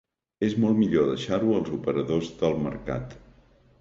És molt millor deixar-ho als operadors del mercat.